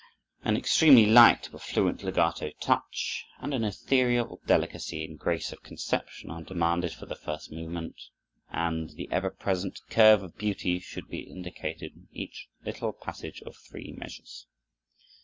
An extremely light but fluent legato touch, and an ethereal delicacy and grace of conception are demanded for the first movement, and the ever present curve of beauty should be indicated in each little passage of three measures.